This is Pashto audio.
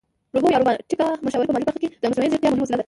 روبو یا روباټیکه مشاوره په مالي برخه کې د مصنوعي ځیرکتیا مهمه وسیله ده